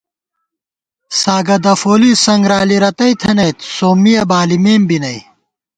ساگہ دفولی سنگرالی رتئ تھنَئیت سومّیَہ بالِمېم بی نئ